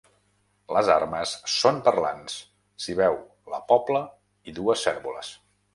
Les armes són parlants: s'hi veu la pobla i dues cérvoles.